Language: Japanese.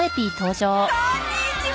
こんにちは！